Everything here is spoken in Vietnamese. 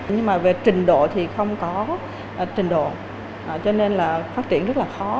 nhưng mà về trình độ thì không có trình độ cho nên là phát triển rất là khó